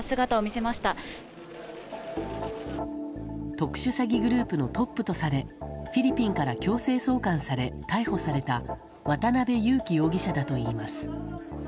特殊詐欺グループのトップとされフィリピンから強制送還され逮捕された渡辺優樹容疑者だといいます。